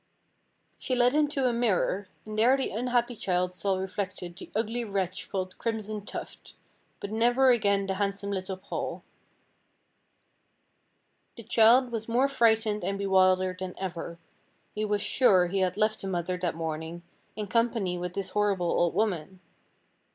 She led him to a mirror, and there the unhappy child saw reflected the ugly wretch called Crimson Tuft, but never again the handsome little Paul. The child was more frightened and bewildered than ever. He was sure he had left the mother that morning, in company with this horrible old woman.